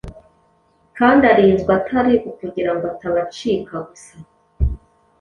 kandi arinzwe atari ukugira ngo atabacika gusa,